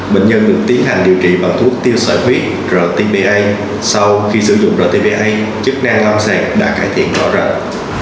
bệnh nhân được tiến hành điều trị bằng thuốc tiêu sở huyết rtpa sau khi sử dụng rtpa chức năng lâm sẹt đã cải thiện rõ ràng